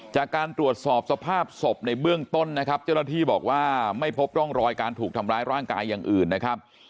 จากการตรวจสอบสภาพศพในเบื้องต้นนะครับเจ้าหน้าที่บอกว่าไม่พบร่องรอยการถูกทำร้ายร่างกายอย่างอื่นนะครับ